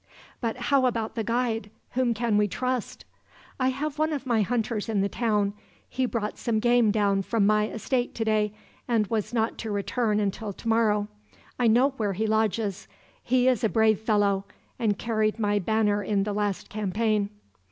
"'But how about the guide? Whom can we trust?' "'I have one of my hunters in the town. He brought some game down from my estate today, and was not to return until tomorrow. I know where he lodges. He is a brave fellow, and carried my banner in the last campaign.'